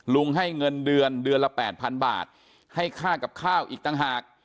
ให้เงินเดือนเดือนละ๘๐๐๐บาทให้ค่ากับข้าวอีกต่างหาก